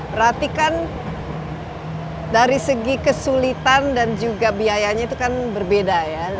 berarti kan dari segi kesulitan dan juga biayanya itu kan berbeda ya